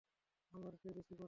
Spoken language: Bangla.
আমি এর চেয়েও বেশি করব।